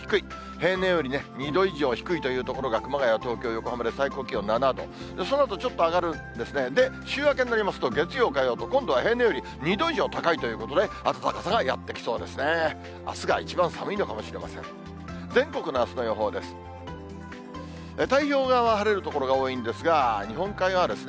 平年より２度以上低いという所が熊谷、東京、横浜で最高気温７度、そのあとちょっと上がるんですね、で、週明けになりますと、月曜、火曜と、今度は平年より２度以上高いということで、暖かさがやって来そうですね。